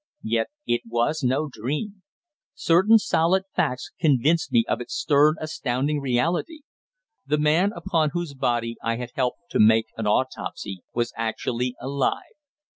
Yet it was no dream. Certain solid facts convinced me of its stern, astounding reality. The man upon whose body I had helped to make an autopsy was actually alive.